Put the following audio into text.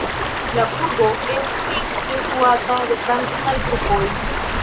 La burgo estis detruata de francaj trupoj.